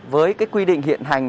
với cái quy định hiện hành